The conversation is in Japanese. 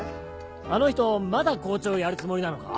あの人まだ校長やるつもりなのか？